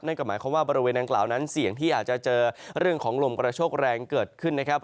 นั่นก็หมายความว่าบริเวณดังกล่าวนั้นเสี่ยงที่อาจจะเจอเรื่องของลมกระโชคแรงเกิดขึ้นนะครับ